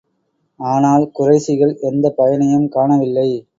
ஆனால், குறைஷிகள் எந்தப் பயனையும் காணவில்லை.